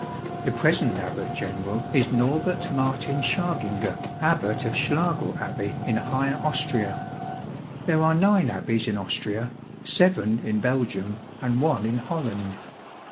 The present Abbat General is Norbert Martin Schaginger, Abbat of Schlagl Abbey, in Higher Austria. There are nine Abbeys in Austria, seven in Belgium, and one in Holland.